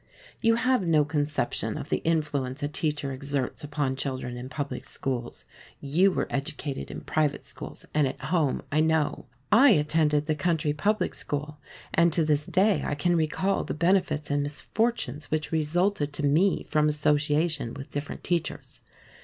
You have no conception of the influence a teacher exerts upon children in public schools. You were educated in private schools and at home, I know. I attended the country public school, and to this day I can recall the benefits and misfortunes which resulted to me from association with different teachers.